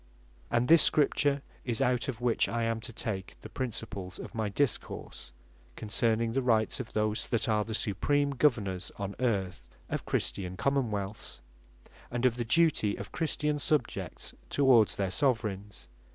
And this Scripture is it, out of which I am to take the Principles of my Discourse, concerning the Rights of those that are the Supream Govenors on earth, of Christian Common wealths; and of the duty of Christian Subjects towards their Soveraigns.